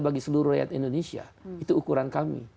bagi seluruh rakyat indonesia itu ukuran kami